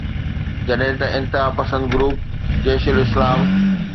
جڏهن ته انتهاپسند گروپ جيش الاسلام